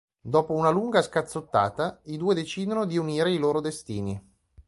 Dopo una lunga scazzottata i due decidono di unire i loro destini.